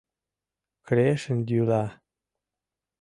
— Крешын йӱла!